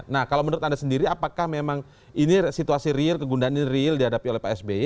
nah kalau menurut anda sendiri apakah memang ini situasi real kegundahan ini real dihadapi oleh pak sby